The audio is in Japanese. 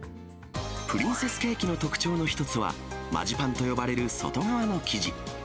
プリンセスケーキの特徴の一つは、マジパンと呼ばれる外側の生地。